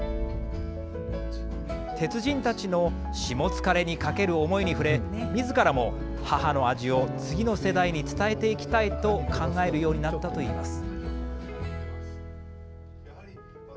鉄人たちのしもつかれにかける思いに触れみずからも母の味を次の世代に伝えていきたいと考えるようになったといいます。